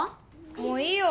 もういいよ。